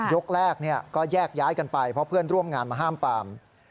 ยกแรกก็แยกย้ายกันไปเพราะเพื่อนร่วมงานมาห้ามปาม